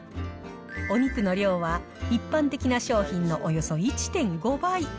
お肉の量は、一般的な商品のおよそ１．５倍。